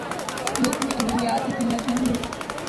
ملک میں ادویات کی قلت نہیں